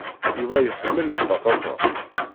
Yuba iḥemmel lbaṭaṭa.